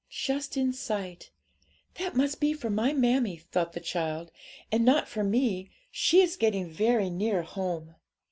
'Just in sight; that must be for my mammie,' thought the child, 'and not for me; she is getting very near home!'